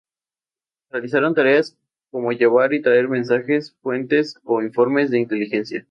Realizaron tareas como llevar y traer mensajes, fuentes e informes de inteligencia.